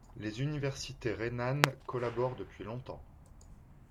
Les universités rhénanes collaborent depuis longtemps.